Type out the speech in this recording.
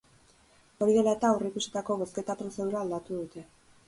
Hori dela eta, aurreikusitako bozketa-prozedura aldatu dute.